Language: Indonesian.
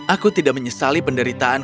aku men absorption dari penumpang